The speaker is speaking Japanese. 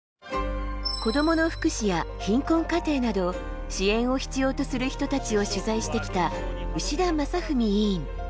子どもの福祉や貧困家庭など支援を必要とする人たちを取材してきた牛田正史委員。